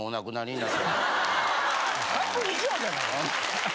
半分以上じゃない。